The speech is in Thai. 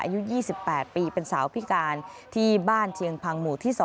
อายุ๒๘ปีเป็นสาวพิการที่บ้านเชียงพังหมู่ที่๒